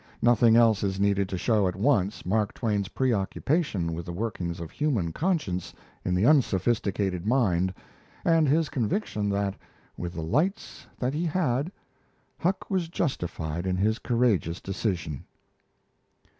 Nothing else is needed to show at once Mark Twain's preoccupation with the workings of human conscience in the unsophisticated mind and his conviction that, with the "lights that he had," Huck was justified in his courageous decision.